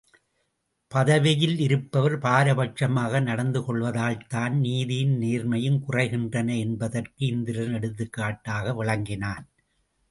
பதவியில் இருப்பவர் பாரபட்சமாக நடந்து கொள்வதால்தான் நீதியும் நேர்மையும் குறைகின்றன என்பதற்கு இந்திரன் எடுத்துக் காட்டாக விளங்கினான்.